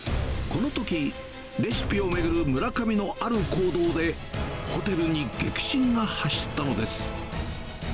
このとき、レシピを巡る村上のある行動で、ホテルに激震が走ったのです。